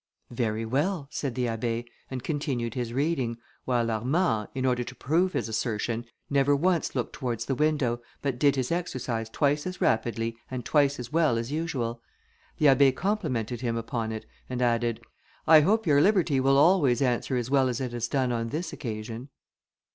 "Very well!" said the Abbé, and continued his reading, while Armand, in order to prove his assertion, never once looked towards the window, but did his exercise twice as rapidly and twice as well as usual. The Abbé complimented him upon it, and added, "I hope your liberty will always answer as well as it has done on this occasion."